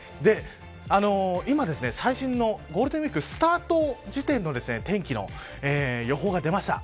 今、最新のゴールデンウイークスタート時点の天気の予報が出ました。